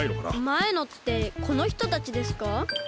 まえのってこのひとたちですか？